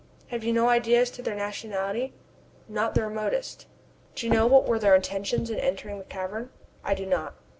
"Have you no idea as to their nationality?" "Not the remotest." Do you know what were their intentions in entering the cavern?" "I do not."